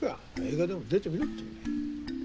映画でも出てみろってんだ。